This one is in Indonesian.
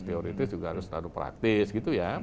teoritis juga harus terlalu praktis gitu ya